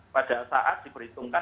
pada saat diperhitungkan